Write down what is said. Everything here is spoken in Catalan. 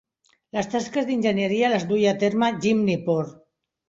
Les tasques d'enginyeria les duia a terme Jim Nipor.